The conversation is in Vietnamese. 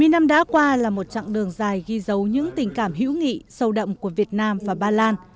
bảy mươi năm đã qua là một chặng đường dài ghi dấu những tình cảm hữu nghị sâu đậm của việt nam và ba lan